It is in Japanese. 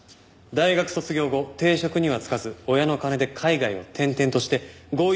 大学卒業後定職には就かず親の金で海外を転々として豪遊を繰り返してたようです。